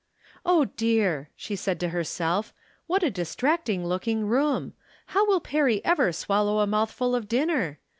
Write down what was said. " Oh, dear," she said to herself, " what a dis tracting looking room ! How will Perry ever swallow a mouthful of dinner